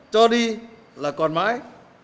cho đi là còn mãi